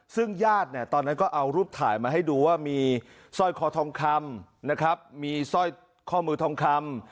ซึ่งญาติตอนนั้นก็เอารูปถ่ายมาให้ดูว่ามีสร้อยคอทองคำนะครับมีสร้อยข้อมือทองคำ